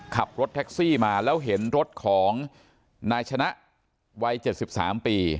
ขับรถแท็กซี่มาแล้วเห็นรถของนายชนะวัยเจ็ดสิบสามปี